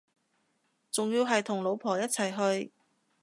仲要係同老婆一齊去